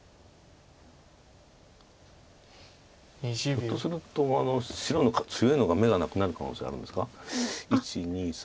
ひょっとすると白の強いのが眼がなくなる可能性あるんですか。